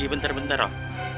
iya bentar bentar om